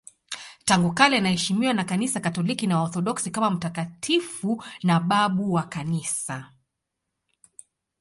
Tangu kale anaheshimiwa na Kanisa Katoliki na Waorthodoksi kama mtakatifu na babu wa Kanisa.